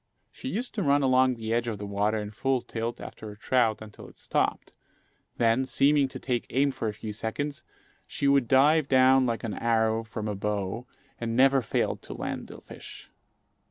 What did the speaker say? She used to run along the edge of the water in full tilt after a trout until it stopped; then, seeming to take aim for a few seconds, she would dive down like an arrow from a bow, and never failed to land the fish.